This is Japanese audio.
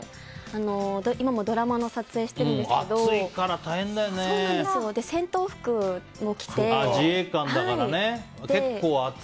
今もドラマの撮影してるんですけど自衛官だからね。